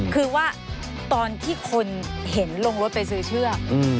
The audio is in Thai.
คือว่าตอนที่คนเห็นลงรถไปซื้อเชือก